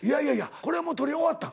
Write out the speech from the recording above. これはもう撮り終わったん？